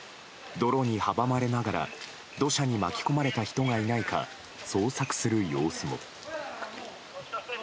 泥に阻まれながら土砂に巻き込まれた人がいないか捜索する様子も。